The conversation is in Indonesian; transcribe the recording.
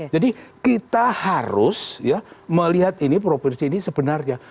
jadi kita harus melihat ini provinsi ini sebenarnya